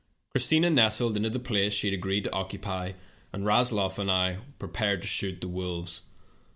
Christina nestled in the place she had agreed to occupy, and Rasloff and I prepared to shoot the wolves.